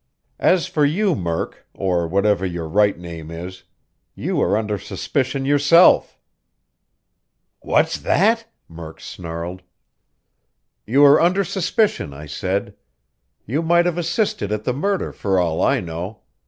As for you Murk, or whatever your right name is, you are under suspicion yourself." "What's that?" Murk snarled. "You are under suspicion, I said. You might have assisted at the murder, for all I know.